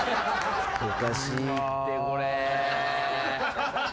おかしいってこれ。